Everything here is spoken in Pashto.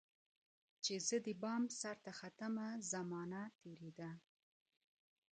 چي زه دبام سرته ختمه، زمانه تیره ده